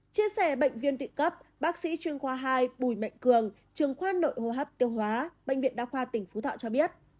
chia sẻ bệnh viện địa cấp bác sĩ chuyên khoa hai bùi mạnh cường trường khoa nội hô hấp tiêu hóa bệnh viện đa khoa tỉnh phú thọ cho biết